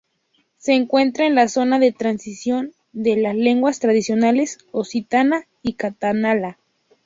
Se encuentra en la zona de transición de las lenguas tradicionales occitana y catalana.